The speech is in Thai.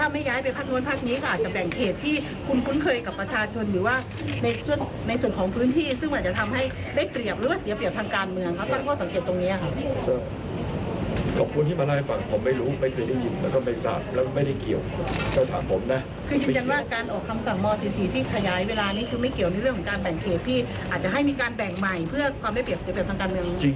แบ่งเขตที่อาจจะให้มีการแบ่งใหม่เพื่อความไม่เปรียบเสียเปรียบทางการเมือง